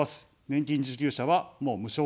年金受給者は、もう無償化。